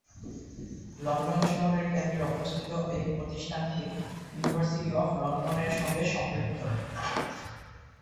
London শহরের কেন্দ্রে অবস্থিত এই প্রতিষ্ঠানটি ইউনিভার্সিটি অব লন্ডন-এর সঙ্গে সম্পৃক্ত।